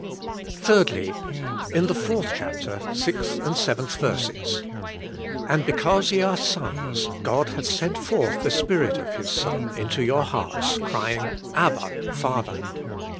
3. In the fourth chapter, sixth and seventh verses. "And because ye are sons God hath sent forth the Spirit of His Son into your hearts, crying, Abba, Father.